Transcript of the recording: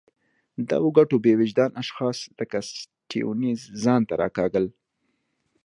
دغو ګټو بې وجدان اشخاص لکه سټیونز ځان ته راکاږل.